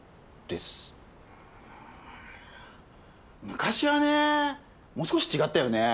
昔はねもう少し違ったよね。